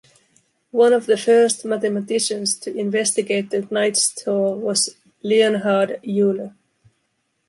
One of the first mathematicians to investigate the knight's tour was Leonhard Euler.